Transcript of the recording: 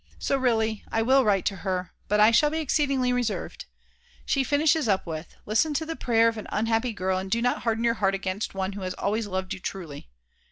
So I really will write to her, but I shall be exceedingly reserved. She finishes up with: Listen to the prayer of an unhappy girl and do not harden your heart against one who has always loved you truly.